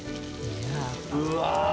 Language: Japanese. うわ！